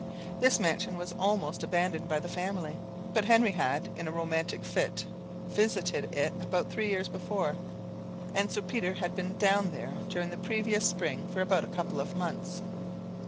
This mansion was almost abandoned by the family; but Henry had, in a romantic fit, visited it about three years before, and Sir Peter had been down there during the previous spring for about a couple of months.